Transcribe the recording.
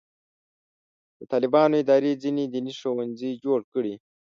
د طالبانو ادارې ځینې دیني ښوونځي جوړ کړي.